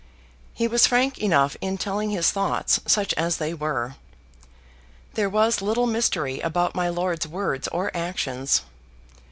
He was frank enough in telling his thoughts, such as they were. There was little mystery about my lord's words or actions.